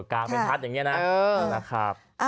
กลางเป็นทัศน์อย่างนี้นะครับ